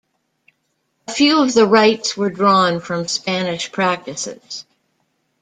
A few of the rights were drawn from Spanish practices.